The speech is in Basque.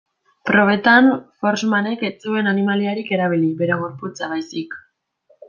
Probetan, Forssmanek ez zuen animaliarik erabili, bere gorputza baizik.